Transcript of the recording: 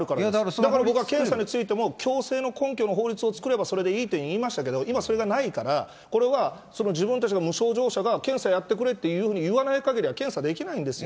だから僕は検査についても、強制の根拠の法律を作ればそれでいいというふうに言いましたけど、今それがないから、これは自分たちが無症状者たちが検査やってくれっていうふうに言わないかぎりは検査できないんですよ。